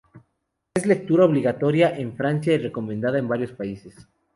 Es lectura obligatoria en Francia y recomendada en varios países.